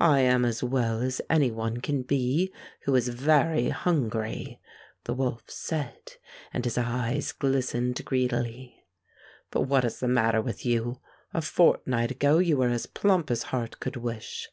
"I am as well as any one can be who is 171 Fairy Tale Foxes very hungry," the wolf said, and his eyes glistened greedily. ''But what is the matter with you? A fortnight ago you were as plump as heart could wish."